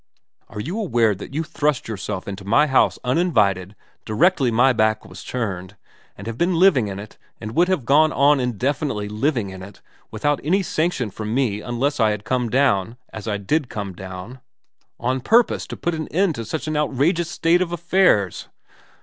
' Are you aware that you thrust yourself into my house uninvited directly my back was turned, and have been living in it, and would have gone on indefinitely living in it, without any sanction from me unless I had come down, as I did come down, on purpose to put an end to such an outrageous state of affairs